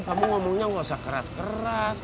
kamu ngomongnya gak usah keras keras